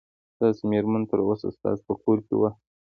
ستاسو مېرمن تر اوسه ستاسو په کور کې وه.